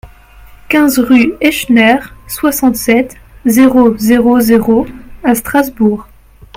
quinze rue Hechner, soixante-sept, zéro zéro zéro à Strasbourg